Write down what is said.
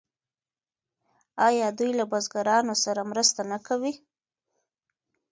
آیا دوی له بزګرانو سره مرسته نه کوي؟